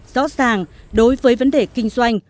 rõ ràng đối với vấn đề kinh doanh